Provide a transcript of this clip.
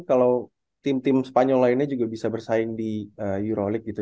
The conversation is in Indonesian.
kalau tim tim spanyol lainnya juga bisa bersaing di euro leagu gitu